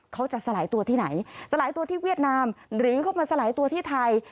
เขาจะสลายตัวที่ไหนสลายตัวที่เวียดนามหรือเข้ามาสลายตัวที่ไทย